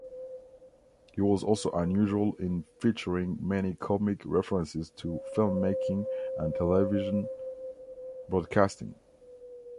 It was also unusual in featuring many comic references to film-making and television broadcasting.